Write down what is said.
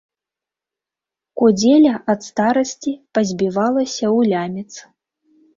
Кудзеля ад старасці пазбівалася ў лямец.